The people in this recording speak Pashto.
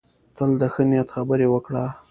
تل د ښه نیت خبرې وکړه.